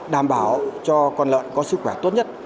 đảm bảo cho con lợn có sức khỏe tốt nhất